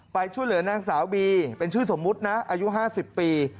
ไปช่วยเหลือนางสาวบีเป็นชื่อสมมุตินะอายุ๕๐ปี